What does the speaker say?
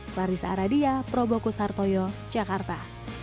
clarissa aradia probokus hartoyo jakarta